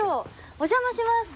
お邪魔します。